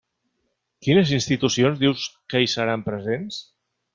Quines institucions dius que hi seran presents?